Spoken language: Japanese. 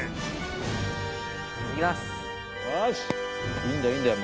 いいんだよいいんだよ